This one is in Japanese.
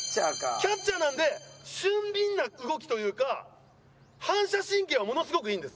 キャッチャーなので俊敏な動きというか反射神経はものすごくいいんです。